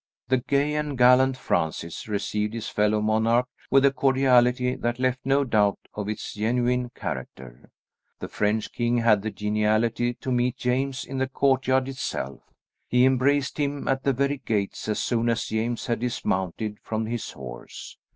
The gay and gallant Francis received his fellow monarch with a cordiality that left no doubt of its genuine character. The French king had the geniality to meet James in the courtyard itself; he embraced him at the very gates as soon as James had dismounted from his horse.